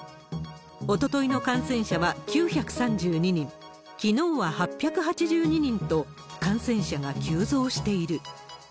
おとといの感染者は９３２人、きのうは８８２人と、感染者が急増している。